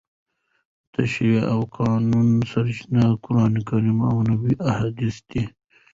د تشریع او قانون سرچینه قرانکریم او نبوي احادیث دي.